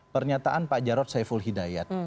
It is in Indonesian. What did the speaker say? pernyataan pak jarod saiful hidayat